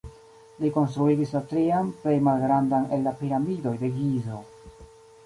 Li konstruigis la trian, plej malgrandan el la Piramidoj de Gizo.